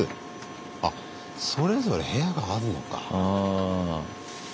あそれぞれ部屋があんのか。